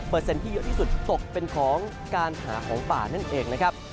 ที่เยอะที่สุดตกเป็นของการหาของป่านั่นเองนะครับ